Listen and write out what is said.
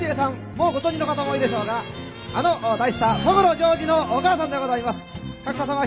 もうご存じの方も多いでしょうがあの大スター所ジョージのお母さんでございます。